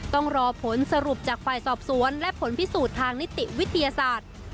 ต้องรอผลสรุปจากฝ่ายสอบสวนและผลพิสูจน์ทางนิติวิทยาศาสตร์